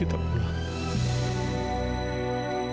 saya akan ambil gak lagi dengannya